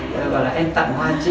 rồi gọi là em tặng hoa chị